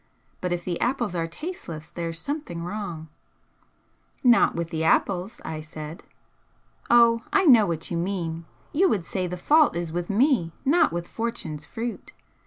But if the apples are tasteless there's something wrong." "Not with the apples," I said. "Oh, I know what you mean! You would say the fault is with me, not with Fortune's fruit.